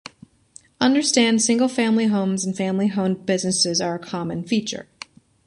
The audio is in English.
Understated single-family homes and family-owned businesses are a common feature.